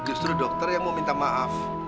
justru dokter yang mau minta maaf